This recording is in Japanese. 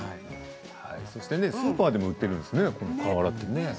スーパーでも売っているんですね、瓦が。